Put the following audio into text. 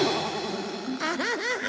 アハハハ！